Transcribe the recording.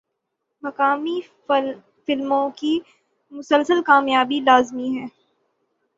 مقامی فلموں کی مسلسل کامیابی لازمی ہے۔